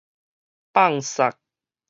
放捒